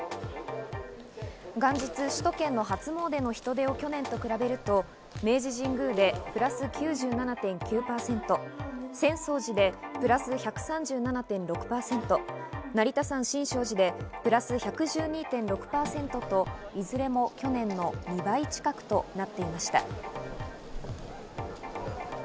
元日の首都圏の初詣の人出を去年と比べると、明治神宮でプラス９７．９％、浅草寺でプラス１３７．６％、成田山新勝寺でプラス１１２．６％といずれも去年の２倍近くとなっていました。